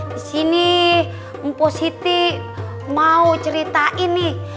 di sini mpo siti mau ceritain nih